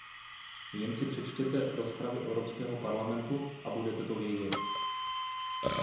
Jen si přečtěte rozpravy Evropského parlamentu a budete to vědět.